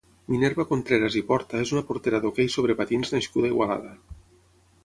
Minerva Contreras i Porta és una portera d'hoquei sobre patins nascuda a Igualada.